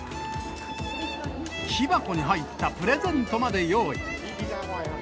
木箱に入ったプレゼントまで用意。